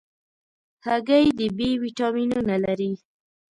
هګۍ د B ویټامینونه لري.